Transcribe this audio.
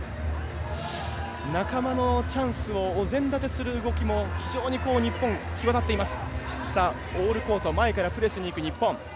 仲間のチャンスをお膳立てする動きも非常に日本、際立っています。